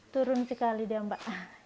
turun sekali dia mbak